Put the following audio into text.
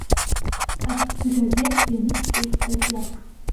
Аҭӡыгазеҭ ианысҵеит статиак.